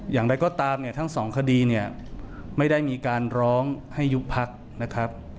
อย่างไรก็ตามเนี่ยทั้งสองคดีเนี่ยไม่ได้มีการร้องให้ยุบพักนะครับ